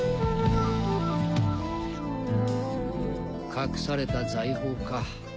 隠された財宝か。